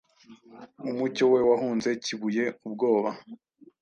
Umucyo we wahunze, Kibuye, ubwoba,